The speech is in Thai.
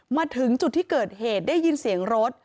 มาถึงจุดที่เกิดเหตุได้ยินเสียงรถ